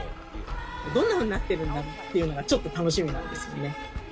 どんなふうになってるんだろうというのがちょっと楽しみなんですよね。